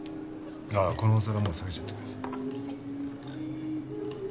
ああこのお皿もう下げちゃってください。